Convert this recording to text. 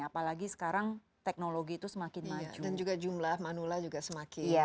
apalagi sekarang teknologi itu semakin maju jadi ini memang memudahkan untuk anak kecil untuk menjaga si pasien jadi ini memang